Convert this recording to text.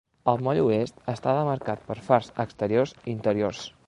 El moll oest estava demarcat per fars exteriors i interiors.